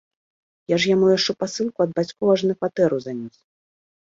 А я ж яму яшчэ пасылку ад бацькоў аж на кватэру занёс.